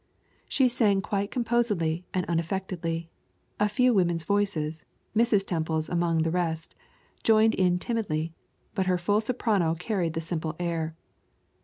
She sang quite composedly and unaffectedly, a few women's voices, Mrs. Temple's among the rest, joining in timidly, but her full soprano carried the simple air.